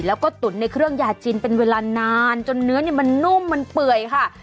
แล้วก็ตุ๋นในเครื่องยาจีนเป็นเวลานานจนเนื้อมันนุ่มมันเปื่อยค่ะ